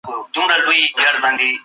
خلګ د مسلمانانو له عدل څخه ډېر خوښ وو.